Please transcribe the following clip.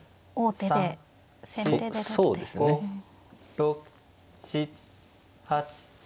６７８。